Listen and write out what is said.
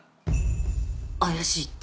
怪しいって？